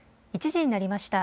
１時になりました。